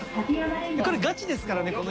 これガチですからね